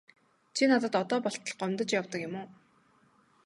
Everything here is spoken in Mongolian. Чи надад одоо болтол гомдож явдаг юм уу?